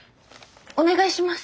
お願いします！